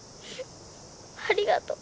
ありがとう。